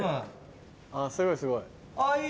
すごいすごい。